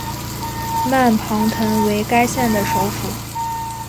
曼庞滕为该县的首府。